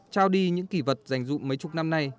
trao đi những kỷ vật dành dụng mấy chục năm nay